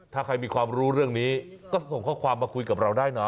ถ้าใครมีความรู้เรื่องนี้ก็ส่งข้อความมาคุยกับเราได้หน่อย